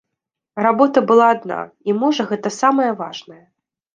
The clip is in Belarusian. Работа была адна, і можа гэта самае важнае.